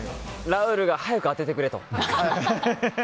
ラウールが早く当ててくれと。